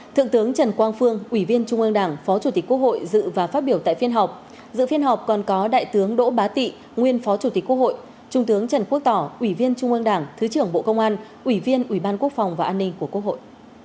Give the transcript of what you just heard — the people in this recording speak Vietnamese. thượng tướng trần quang phương ủy viên trung ương đảng phó chủ tịch quốc hội dự và phát biểu tại phiên họp dự phiên họp còn có đại tướng đỗ bá tị nguyên phó chủ tịch quốc hội trung tướng trần quốc tỏ ủy viên trung ương đảng thứ trưởng bộ công an ủy viên ủy ban quốc phòng và an ninh của quốc hội